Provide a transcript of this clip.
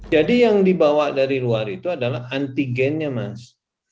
jadi yang dibawa dari luar itu adalah antigennya mas